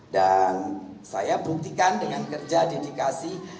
dan saya buktikan dengan kerja dedikasi